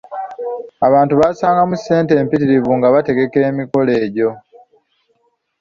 Abantu bassangamu ssente empitirivu nga bategeka emikolo egyo.